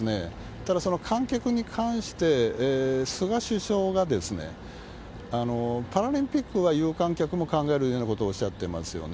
ただ、その観客に関して、菅首相がパラリンピックは有観客も考えるというようなことをおっしゃってますよね。